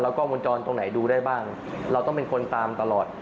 กล้องมูลจรตรงไหนดูได้บ้างเราต้องเป็นคนตามตลอด